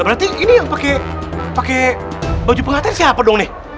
berarti ini yang pakai baju pengaten siapa dong nih